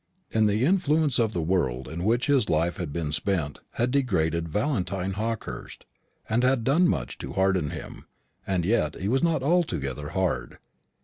The influence of the world in which his life had been spent had degraded Valentine Hawkehurst, and had done much to harden him; and yet he was not altogether hard.